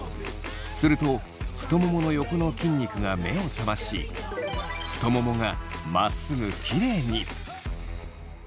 すると太ももの横の筋肉が目を覚まし太ももがまっすぐキレイに。